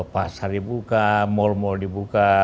pasar dibuka mall mall dibuka